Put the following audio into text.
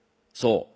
そう。